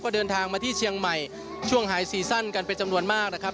เดินทางมาที่เชียงใหม่ช่วงหายซีซั่นกันเป็นจำนวนมากนะครับ